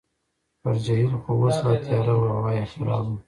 پر جهیل خو اوس لا تیاره وه، هوا یې خرابه وه.